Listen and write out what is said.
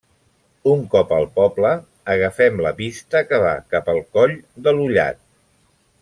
Un cop al poble, agafem la pista que va cap al coll de l'Ullat.